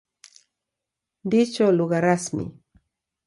Ndicho lugha rasmi.